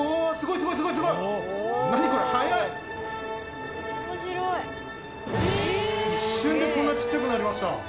一瞬でこんなちっちゃくなりました。